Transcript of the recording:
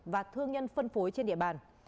và thương nhân phân phối trên địa bàn